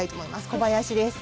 小林です。